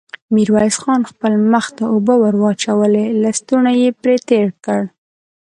ميرويس خان خپل مخ ته اوبه ور واچولې، لستوڼۍ يې پرې تېر کړ.